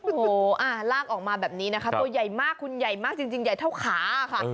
โอ้โหลากออกมาแบบนี้นะคะตัวใหญ่มากคุณใหญ่มากจริงใหญ่เท่าขาค่ะ